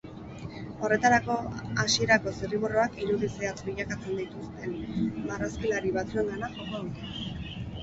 Horretarako, hasierako zirriborroak irudi zehatz bilakatzen dituzten marrazkilari batzuengana joko dute.